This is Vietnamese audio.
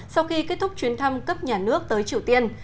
sau khi kết thúc chuyến thăm cấp nhà nước tới triều tiên